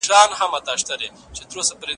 په دغه کتاب کې د شیکسپیر لاسلیک وموندل سو.